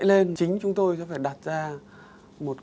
sẽ có người hóa trang